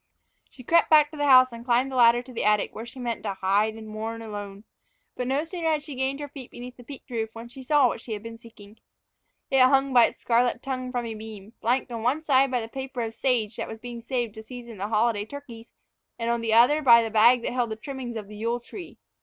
She crept back to the house and climbed the ladder to the attic, where she meant to hide and mourn alone. But no sooner had she gained her feet beneath the peaked roof, than she saw what she had been seeking. It hung by its scarlet tongue from a beam, flanked on one side by the paper of sage that was being saved to season the holiday turkeys, and on the other by the bag that held the trimmings of the Yule tree.